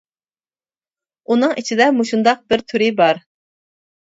ئۇنىڭ ئىچىدە مۇشۇنداق بىر تۈرى بار.